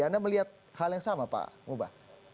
anda melihat hal yang sama pak mubah